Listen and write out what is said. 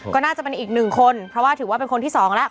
ก็น่าจะเป็นอีกหนึ่งคนเพราะว่าถือว่าเป็นคนที่สองแล้ว